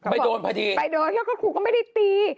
ไปโดนพอดีไปโดนเขาก็ครูก็ไม่ได้ตี